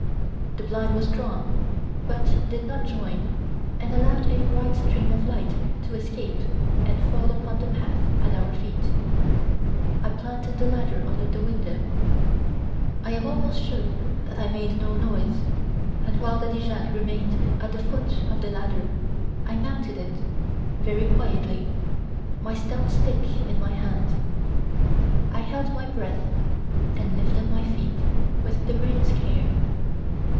The blind was drawn but did not join and allowed a bright stream of light to escape and fall upon the path at our feet. I planted the ladder under the window. I am almost sure that I made no noise; and while Daddy Jacques remained at the foot of the ladder, I mounted it, very quietly, my stout stick in my hand. I held my breath and lifted my feet with the greatest care.